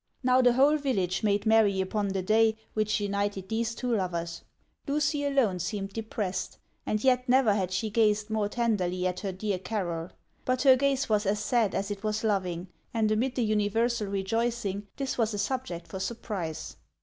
Now, the whole village made merry upon the day which united these two lovers. Lucy alone seemed depressed ; and yet never had she gazed more tenderly at her dear Carroll. But her gaze was as sad as it was loving, and amid the universal rejoicing this was a subject for surprise.